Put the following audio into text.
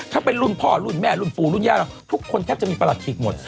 ถ้าเป็นรุ่นพ่อรุ่นแม่รุ่นปู่รุ่นย่าเราทุกคนแทบจะมีประหลัดขีกหมด